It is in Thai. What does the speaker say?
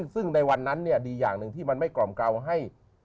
ซึ่งในวันนั้นดีอย่างหนึ่งที่มันไม่กล่อมเกาให้